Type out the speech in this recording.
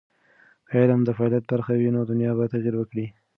که علم د فعالیت برخه وي، نو دنیا به تغیر وکړي.